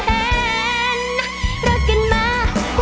ใจรองได้ช่วยกันรองด้วยนะคะ